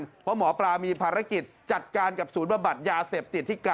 เพราะหมอปลามีภารกิจจัดการกับสูตรภบรรยาเสพ